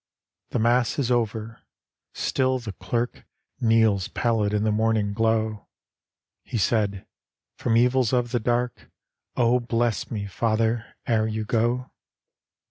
The Mass is over — still the clerk Kneels pallid in the morning glow. He said, " From evib of the dark Oh, bless me, father, ere you go.